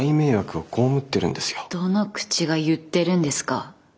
どの口が言ってるんですか？